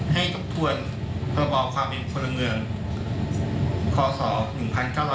๑ให้จบทวนประบอบความเป็นคนละเมือง